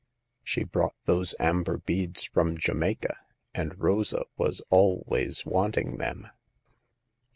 She brought those amber beads from Jamaica, and Rosa was always want ing them."